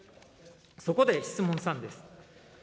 そこで質問３です。